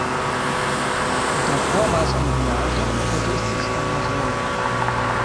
Davor war es ein Gymnasium, heute ist es ein Museum.